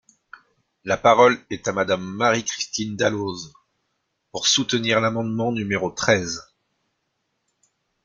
La parole est à Madame Marie-Christine Dalloz, pour soutenir l’amendement numéro treize.